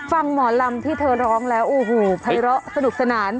หมอลำที่เธอร้องแล้วโอ้โหภัยร้อสนุกสนาน